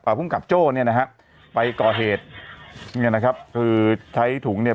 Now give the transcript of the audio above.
ภูมิกับโจ้เนี่ยนะฮะไปก่อเหตุเนี่ยนะครับคือใช้ถุงเนี่ย